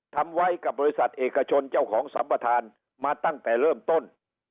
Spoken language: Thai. ทำไว้กับบริษัทเอกชนเจ้าของสัมปทานมาตั้งแต่เริ่มต้น